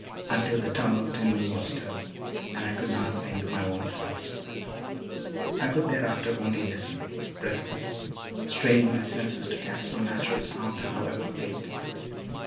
until the tumult in me was still, and I could not think my own thoughts. I could thereafter only listen, breathless, straining my senses to catch some natural sound, however faint.